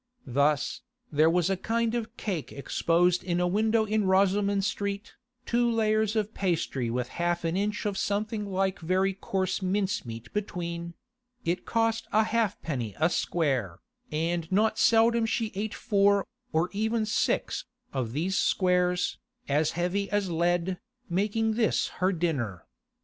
Thus, there was a kind of cake exposed in a window in Rosoman Street, two layers of pastry with half an inch of something like very coarse mincemeat between; it cost a halfpenny a square, and not seldom she ate four, or even six, of these squares, as heavy as lead, making this her dinner.